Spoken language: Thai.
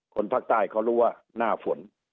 คนภาคใต้เขารู้ว่าหน้าฝน